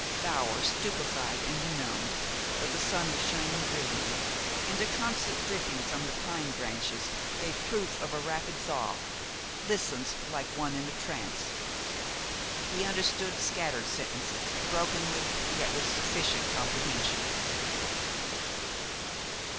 Bower, stupefied and benumbed, though the sun was shining brilliantly, and a constant dripping from the pine branches gave proof of a rapid thaw, listened like one in a trance. He understood scattered sentences, brokenly, yet with sufficient comprehension.